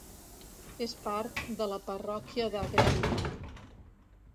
És part de la parròquia de Greenville.